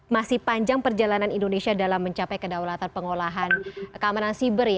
masih panjang perjalanan indonesia dalam mencapai kedaulatan pengolahan keamanan siber